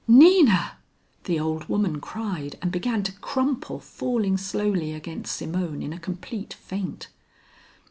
"Nina!" the old woman cried, and began to crumple, falling slowly against Simone in a complete faint.